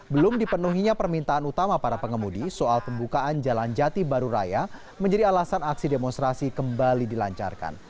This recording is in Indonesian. belum dipenuhinya permintaan utama para pengemudi soal pembukaan jalan jati baru raya menjadi alasan aksi demonstrasi kembali dilancarkan